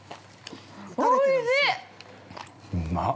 ◆おいしっ！